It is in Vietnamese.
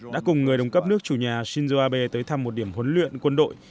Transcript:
đã cùng người đồng cấp nước chủ nhà shinzo abe tới thăm một điểm huấn luyện quân đội